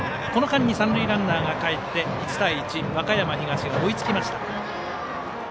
この間に三塁ランナーがホームにかえって和歌山東が追いつきました。